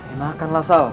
enakan lah sal